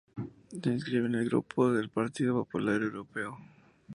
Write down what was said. Se inscribe en el Grupo del Partido Popular Europeo.